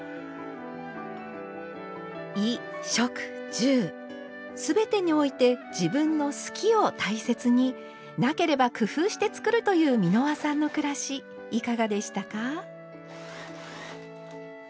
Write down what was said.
衣・食・住全てにおいて自分の「好き」を大切になければ工夫して作るという美濃羽さんの暮らしいかがでしたか？